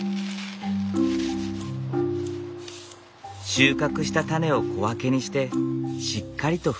収穫したタネを小分けにしてしっかりと封をする。